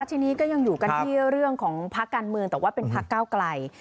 ทีนี้ก็ยังอยู่กันที่เรื่องของพักการเมืองแต่ว่าเป็นพักเก้าไกล